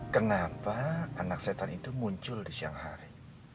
kenapa anak setan itu muncul di siang hari